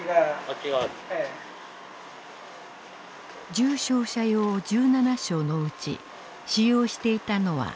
重症者用１７床のうち使用していたのは６床。